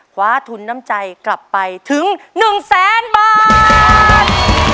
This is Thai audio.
คว้าทุนน้ำใจกลับไปถึง๑แสนบาท